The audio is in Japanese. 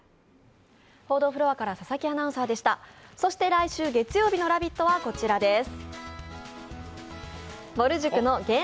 来週月曜日の「ラヴィット！」はこちらです。